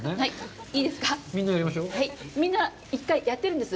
みんな、１回、やってるんです。